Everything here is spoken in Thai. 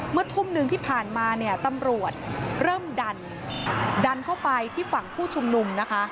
ทุ่มหนึ่งที่ผ่านมาเนี่ยตำรวจเริ่มดันดันเข้าไปที่ฝั่งผู้ชุมนุมนะคะ